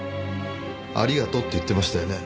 ありがとうって言ってましたよね？